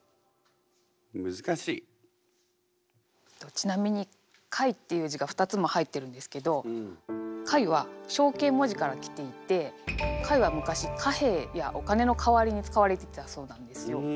ちなみに「貝」っていう字が２つも入ってるんですけど貝は象形文字から来ていて貝は昔貨幣やお金の代わりに使われていたそうなんですよ。